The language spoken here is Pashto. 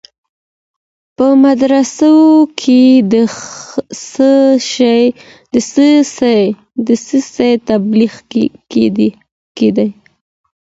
په مدرسو کي د څه سي تبلیغ کیده؟